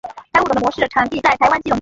该物种的模式产地在台湾基隆。